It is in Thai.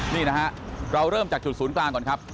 นี่นะฮะเราเริ่มจากจุดศูนย์กลางก่อนครับ